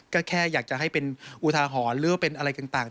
ก็แค่อยากจะให้เป็นอุทาหรณ์หรือว่าเป็นอะไรต่าง